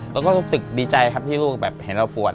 แล้วก็รู้สึกดีใจครับที่ลูกแบบเห็นเราปวด